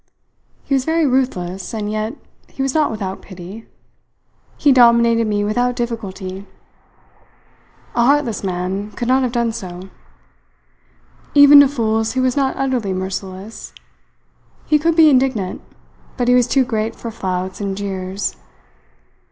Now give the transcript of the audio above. He was very ruthless, and yet he was not without pity. He dominated me without difficulty. A heartless man could not have done so. Even to fools he was not utterly merciless. He could be indignant, but he was too great for flouts and jeers.